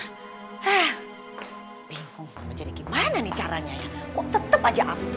hah bingung mau jadi gimana nih caranya ya kok tetep aja abduh gitu